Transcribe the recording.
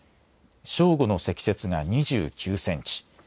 正午の積雪が２９センチ。